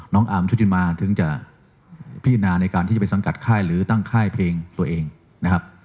อาร์มชุติมาถึงจะพิจารณาในการที่จะไปสังกัดค่ายหรือตั้งค่ายเพลงตัวเองนะครับ